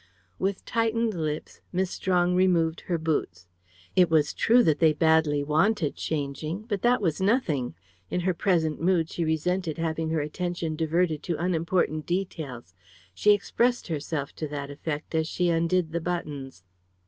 With tightened lips Miss Strong removed her boots. It was true that they badly wanted changing. But that was nothing. In her present mood she resented having her attention diverted to unimportant details. She expressed herself to that effect as she undid the buttons.